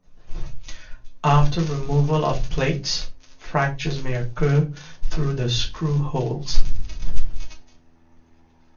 After removal of plates, fractures may occur through the screw holes.